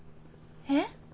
えっ？